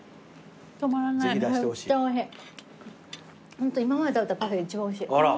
ホント今まで食べたパフェで一番おいしい。